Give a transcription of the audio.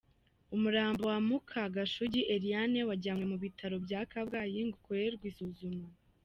Umurambo wa Mukagashugi Eliane wajyanywe mu bitaro bya Kabgayi ngo ukorerwe isuzuma.